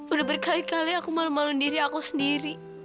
udah berkali kali aku malu malu diri aku sendiri